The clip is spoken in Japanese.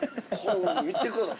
見てください。